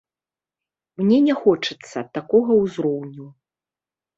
Мне не хочацца такога ўзроўню.